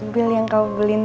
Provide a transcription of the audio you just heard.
bil yang kau beli